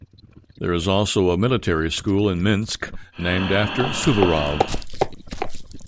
There is also a military school in Minsk named after Suvorov.